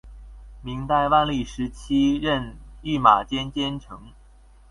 明代万历时期任御马监监丞。